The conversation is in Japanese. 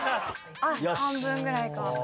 あっ半分ぐらいか。